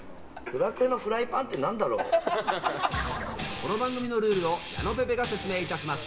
この番組のルールを矢野ぺぺが説明します。